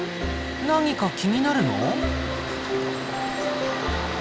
何か気になるの？